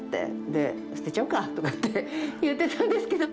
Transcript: で捨てちゃおうかとかって言ってたんですけど。